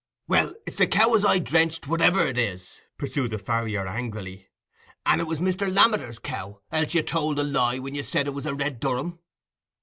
"Well, it's the cow as I drenched, whatever it is," pursued the farrier, angrily; "and it was Mr. Lammeter's cow, else you told a lie when you said it was a red Durham."